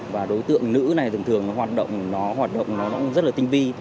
và đối tượng nữ này thường thường hoạt động nó rất là tinh vi